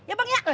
ya bang ya